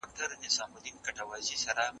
تاسو کله خپل درسونه پای ته رسوئ؟